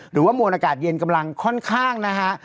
หรือว่ามวลอากาศเย็นกำลังค่อนข้างนะฮะ